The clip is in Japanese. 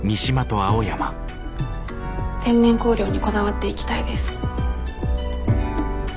天然香料にこだわっていきたいです。